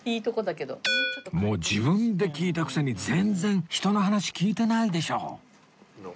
もう自分で聞いたくせに全然人の話聞いてないでしょ